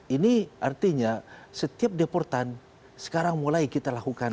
ini artinya setiap deportan sekarang mulai kita lakukan